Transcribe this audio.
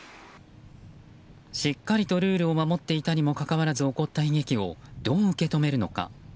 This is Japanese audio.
しっかりとルールを守っていたにもかかわらず起こった悲劇をどう受け止めるのか。